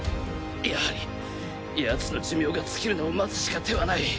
やはりヤツの寿命が尽きるのを待つしか手はない。